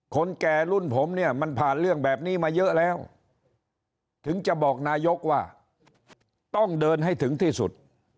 แก่รุ่นผมเนี่ยมันผ่านเรื่องแบบนี้มาเยอะแล้วถึงจะบอกนายกว่าต้องเดินให้ถึงที่สุด